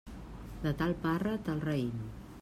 De tal parra, tal raïm.